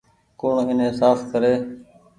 ڪوڻ ايني ساڦ ڪري ۔